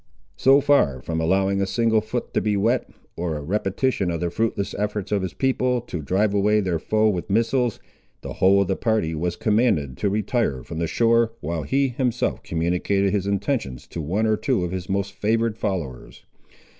So far from allowing a single foot to be wet, or a repetition of the fruitless efforts of his people to drive away their foe with missiles, the whole of the party was commanded to retire from the shore, while he himself communicated his intentions to one or two of his most favoured followers.